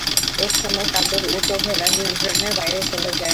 এক সময় তাদের উট ও ঘোড়া নিয়ন্ত্রণের বাইরে চলে যায়।